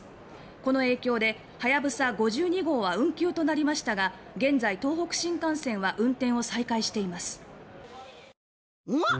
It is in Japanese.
この影響で、はやぶさ５２号は運休となりましたが現在、東北新幹線は運転を再開しています。